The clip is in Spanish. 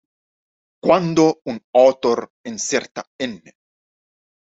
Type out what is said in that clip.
Cuando un autor inserta “n.